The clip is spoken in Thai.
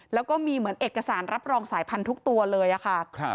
แล้วก็มีเหมือนเอกสารรับรองสายพันธุ์ทุกตัวเลยค่ะ